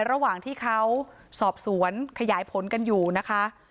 ระหว่างที่เขาสอบสวนขยายผลกันอยู่นะคะ